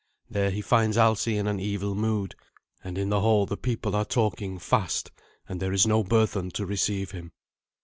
There he finds Alsi in an evil mood, and in the hall the people are talking fast, and there is no Berthun to receive him.